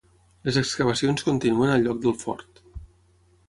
Les excavacions continuen al lloc del fort.